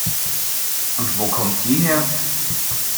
Und wo kommt die her?